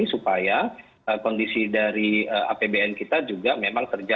supaya kondisi dari apbn kita juga memang terjadi